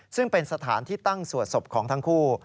ซึ่งเป็นสถานที่ตั้งสวดศพของทั้งคู่